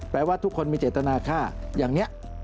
ว่าทุกคนมีเจตนาฆ่าอย่างนี้